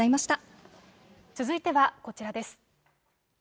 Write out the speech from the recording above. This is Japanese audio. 続いてはこちらです。